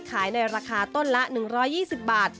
ขายในราคาต้นละ๑๒๐บาท